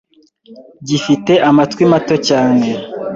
gifite amatwi mato cyane